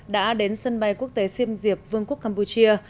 đã đến sân bay quốc tế siêm diệp vương quốc campuchia